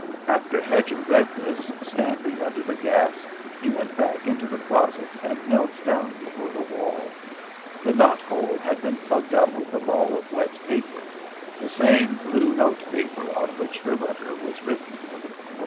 After Hedger read this, standing under the gas, he went back into the closet and knelt down before the wall; the knot hole had been plugged up with a ball of wet paper, the same blue note paper on which her letter was written.